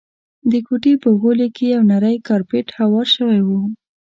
د کوټې په غولي کي یو نری کارپېټ هوار شوی وو.